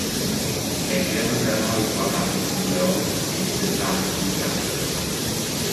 Elle gère notamment les trois parcs SeaWorld et les deux parcs Busch Gardens.